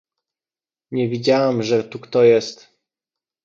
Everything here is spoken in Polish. "nie widziałam, że tu kto jest!"